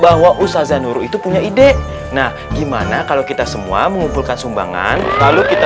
bahwa usanuru itu punya ide nah gimana kalau kita semua mengumpulkan sumbangan lalu kita